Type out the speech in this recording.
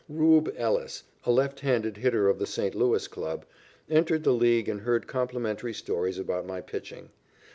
"Rube" Ellis, a left handed hitter of the St. Louis Club, entered the League and heard complimentary stories about my pitching.